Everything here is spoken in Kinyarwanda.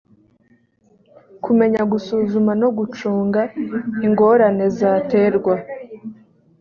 kumenya gusuzuma no gucunga ingorane zaterwa